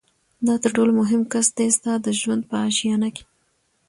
دا تر ټولو مهم کس دی ستا د ژوند په آشیانه کي